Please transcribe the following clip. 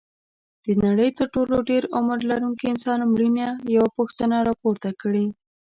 د نړۍ تر ټولو د ډېر عمر لرونکي انسان مړینې یوه پوښتنه راپورته کړې.